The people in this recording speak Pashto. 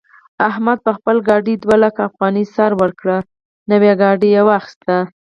احمد په خپل ګاډي دوه لکه افغانۍ سر ورکړې او نوی ګاډی يې واخيست.